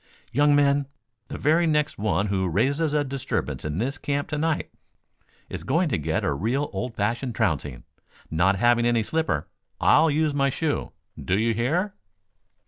"Young men, the very next one who raises a disturbance in this camp to night is going to get a real old fashioned trouncing. Not having any slipper, I'll use my shoe. Do you hear?"